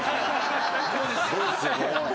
そうですよね。